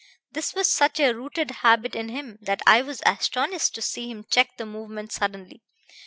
This was such a rooted habit in him that I was astonished to see him check the movement suddenly.